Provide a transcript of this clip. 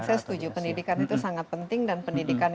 saya setuju pendidikan itu sangat penting dan pendidikan